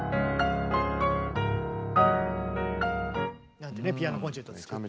なんてねピアノコンチェルト作ったり。